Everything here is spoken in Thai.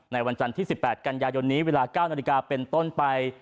วันจันทร์ที่๑๘กันยายนนี้เวลา๙นาฬิกาเป็นต้นไป